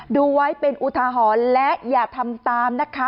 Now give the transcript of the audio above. ดูไว้เป็นอุทาหรณ์และอย่าทำตามนะคะ